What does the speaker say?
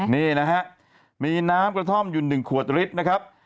นี่นะฮะมีน้ำกระท่อมอยู่๑ขวดลิตรนะครับ